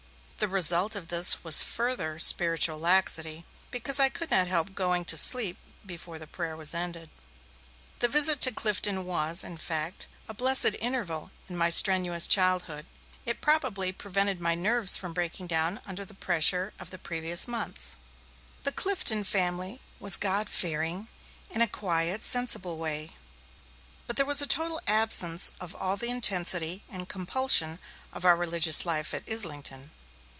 The result of this was further spiritual laxity, because I could not help going to sleep before the prayer was ended. The visit to Clifton was, in fact, a blessed interval in my strenuous childhood. It probably prevented my nerves from breaking down under the pressure of the previous months. The Clifton family was God fearing, in a quiet, sensible way, but there was a total absence of all the intensity and compulsion of our religious life at Islington.